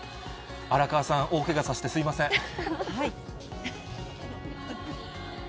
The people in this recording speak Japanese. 荒川さん、大けがさせてすみません。